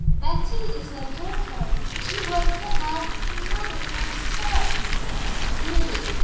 "Betty is their daughter. She was to have married my son." "Good.